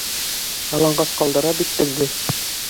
Яланғас ҡалдыра бит беҙҙе!